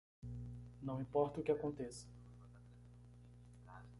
Não importa o que aconteça